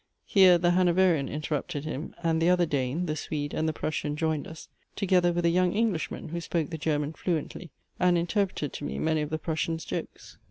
Here the Hanoverian interrupted him, and the other Dane, the Swede, and the Prussian, joined us, together with a young Englishman who spoke the German fluently, and interpreted to me many of the Prussian's jokes.